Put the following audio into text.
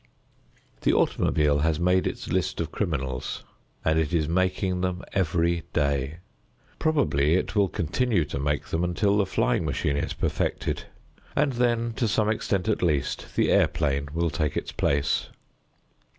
The automobile has made its list of criminals, and it is making them every day. Probably it will continue to make them until the flying machine is perfected, and then to some extent at least the airplane will take its place.